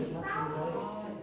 trở thành công dân có ích